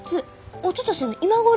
おととしの今頃！